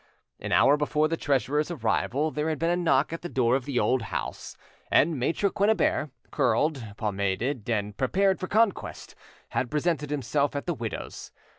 An hour before the treasurer's arrival there had been a knock at the door of the old house, and Maitre Quennebert, curled, pomaded, and prepared for conquest, had presented himself at the widow's.